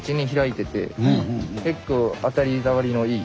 結構当たり障りのいい。